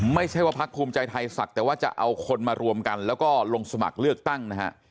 ไม่ใช่ว่าพักภูมิใจไทยศักดิ์แต่ว่าจะเอาคนมารวมกันแล้วก็ลงสมัครเลือกตั้งนะฮะ